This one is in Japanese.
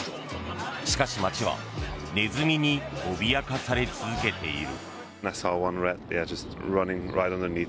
しかし、街はネズミに脅かされ続けている。